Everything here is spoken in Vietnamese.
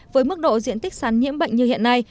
với mức độ diện tích sắn nhiễm bệnh như hiện nay